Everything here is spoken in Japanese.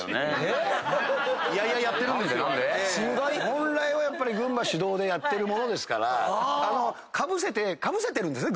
本来は群馬主導でやってるものですからかぶせてるんですよね。